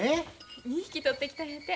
２匹取ってきたんやて。